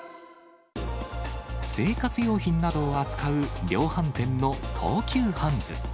生活用品などを扱う量販店の東急ハンズ。